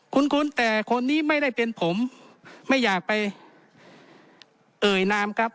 คุ้นแต่คนนี้ไม่ได้เป็นผมไม่อยากไปเอ่ยนามครับ